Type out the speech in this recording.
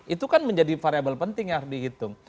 itu kan menjadi variable penting yang harus dihitung